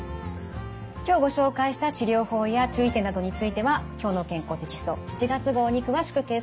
今日ご紹介した治療法や注意点などについては「きょうの健康」テキスト７月号に詳しく掲載されています。